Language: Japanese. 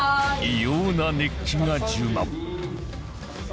異様な熱気が充満